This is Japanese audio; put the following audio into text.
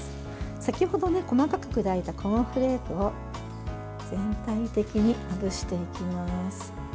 先ほど細か砕いたコーンフレークを全体的にまぶしていきます。